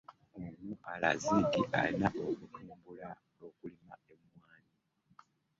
Ono alaze nti beetegefu okuyambako okutumbula okulima emmwannyi